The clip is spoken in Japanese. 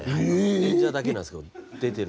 演者だけなんですけど出てる。